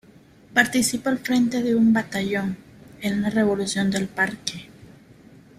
Participó al frente de un batallón en la Revolución del Parque.